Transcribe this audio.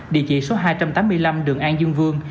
địa chỉ số hai trăm tám mươi năm đường an dương vương